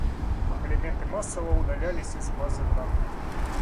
Элементы массово удалялись из базы данных.